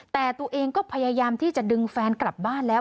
แต่ตัวเองก็พยายามที่จะดึงแฟนกลับบ้านแล้ว